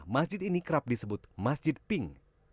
masjid ini kerap disebut masjid pink